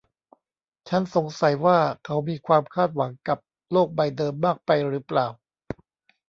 ฉันสงสัยว่าเขามีความคาดหวังกับโลกใบเดิมมากไปหรือเปล่า